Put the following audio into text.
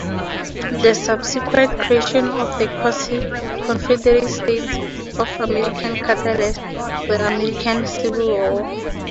The subsequent creation of the Confederate States of America catalyzed the American Civil War.